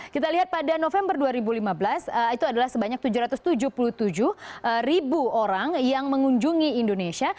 kita lihat pada november dua ribu lima belas itu adalah sebanyak tujuh ratus tujuh puluh tujuh ribu orang yang mengunjungi indonesia